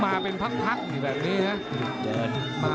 ไปเป็นพังทักอย่างนี้นะ